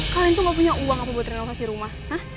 kalian tuh gak punya uang apa buat renovasi rumah